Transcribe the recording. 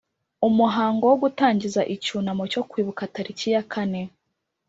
Umuhango wo gutangiza icyunamo cyo kwibuka tariki ya kane